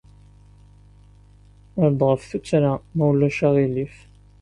Err-d ɣef tuttra, ma ulac aɣilif.